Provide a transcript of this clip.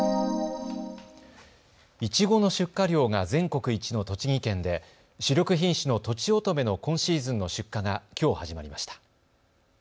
いちごの出荷量が全国一の栃木県で主力品種のとちおとめの今シーズンの出荷がきょう始まりました。